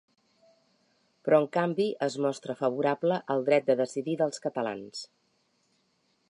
Però en canvi, es mostra favorable al dret de decidir dels catalans.